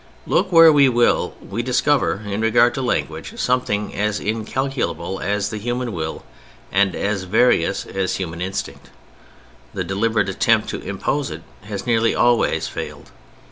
Look where we will, we discover in regard to language something as incalculable as the human will, and as various as human instinct. The deliberate attempt to impose it has nearly always failed.